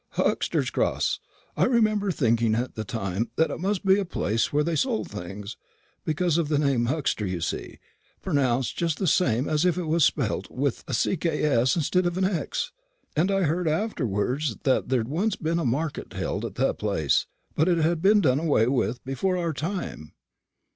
"Huxter's Cross; I remember thinking at the time that it must be a place where they sold things, because of the name Huxter, you see, pronounced just the same as if it was spelt with a cks instead of an x. And I heard afterwards that there'd once been a market held at the place, but it had been done away with before our time.